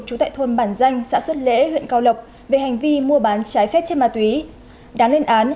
trú tại thôn bản danh xã xuất lễ huyện cao lộc về hành vi mua bán trái phép chất ma túy đáng lên án